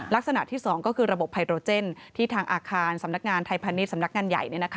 ลักษณะที่๒ก็คือระบบไฮโรเจนที่ทางอาคารสำนักงานไทยพาณิชยสำนักงานใหญ่